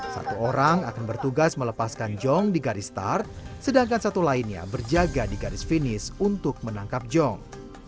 satu orang akan bertugas melepaskan jong di garis star sedangkan satu lainnya berjaga di garis finish untuk menangkap jong